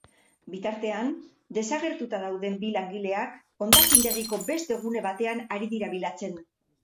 Bitartean, desagertuta dauden bi langileak hondakindegiko beste gune batean ari dira bilatzen.